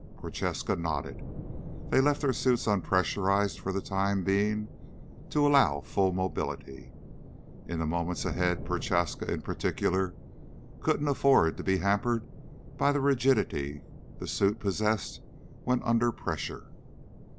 Prochaska nodded. They left their suits unpressurized for the time being to allow full mobility. In the moments ahead Prochaska, in particular, couldn't afford to be hampered by the rigidity the suit possessed when under pressure.